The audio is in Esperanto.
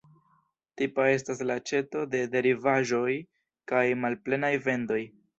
Tipa estas la aĉeto de derivaĵoj kaj malplenaj vendoj.